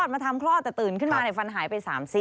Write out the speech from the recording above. มาทำคลอดแต่ตื่นขึ้นมาฟันหายไป๓ซี่